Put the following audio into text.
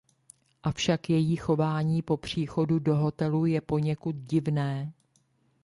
Avšak její chování po příchodu do hotelu je poněkud divné.